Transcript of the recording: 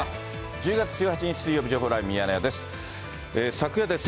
１０月１８日水曜日、情報ライブミヤネ屋です。